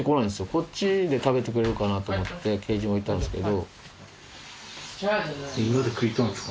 こっちで食べてくれるかなと思ってケージに置いたんですけど。